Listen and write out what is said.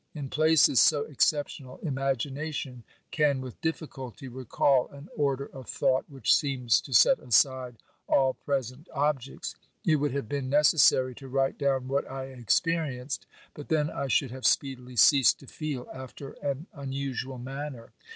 In places so exceptional imagination can with difficulty recall an order of thought which seems to set aside all present objects. It would have been necessary to write down what I experienced, but then I should have speedily ceased to feel after an unusual manner.